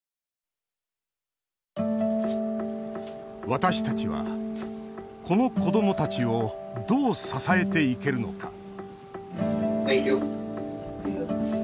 私たちは、この子どもたちをどう支えていけるのかはい、行くよ。